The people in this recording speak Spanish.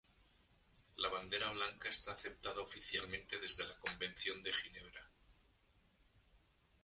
La bandera blanca está aceptada oficialmente desde la Convención de Ginebra.